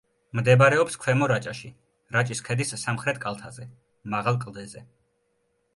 მდებარეობს ქვემო რაჭაში, რაჭის ქედის სამხრეთ კალთაზე, მაღალ კლდეზე.